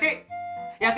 yati buka yati